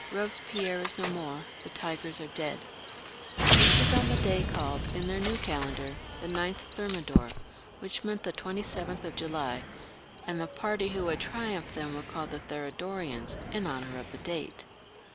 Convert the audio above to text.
Eobespierre is no more, the tigers are dead !" This was on the day, called, in their new calendar, the 9th of Thermidor, which meant the 27th of July, and the party who had triumphed then were called the Thermidorians in honour of the date.